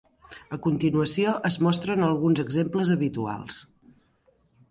A continuació es mostren alguns exemples habituals.